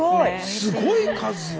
すごい数よ！